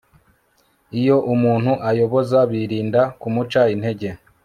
iyo umuntu ayoboza birinda kumuca intege